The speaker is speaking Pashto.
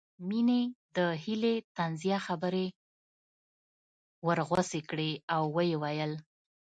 مينې د هيلې طنزيه خبرې ورغوڅې کړې او ويې ويل